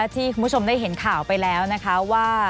ที่คุณผู้ชมได้เห็นข่าวไปแล้วนะคะว่า